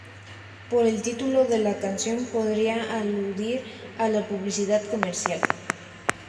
Por el título de la canción podría aludir a la publicidad comercial.